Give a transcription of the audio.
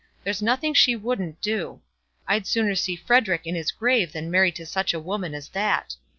There's nothing she wouldn't do. I'd sooner see Frederic in his grave than married to such a woman as that.